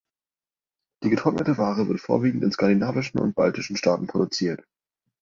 Die getrocknete Ware wird vorwiegend in skandinavischen und baltischen Staaten produziert.